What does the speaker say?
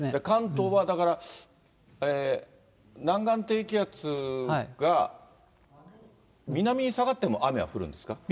関東は、だから南岸低気圧が、南に下がっても雨は降るんですか？